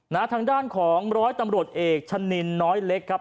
ทางด้านของร้อยตำรวจเอกชะนินน้อยเล็กครับ